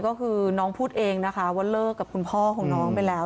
ก็คือน้องพูดเองนะคะว่าเลิกกับคุณพ่อของน้องไปแล้ว